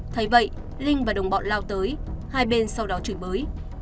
thấy vậy linh và đồng bọn lao tới hai bên sau đó chửi bới